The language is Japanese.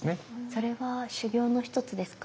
それは修行の一つですか？